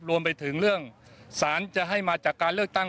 รวมไปถึงเรื่องสารจะให้มาจากการเลือกตั้ง